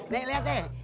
nih liat deh